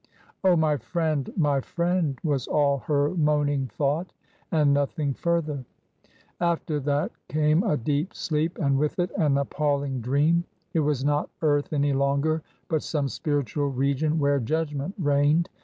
"Oh my friend! my friend!" was all her moaning thought and nothing further. After that came a deep sleep and with it an appalling dream. It was npt earth any longer, but some spiritual region where Judgment reigned.